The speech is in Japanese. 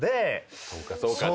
そうかそうか。